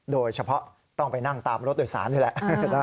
โดยเฉพาะต้องไปนั่งตามรถโดยสารนี่แหละ